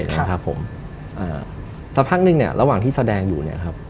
สักพักนึงระหว่างที่แสดงอยู่